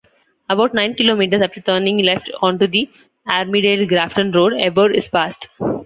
About nine kilometres after turning left onto the Armidale Grafton road Ebor is passed.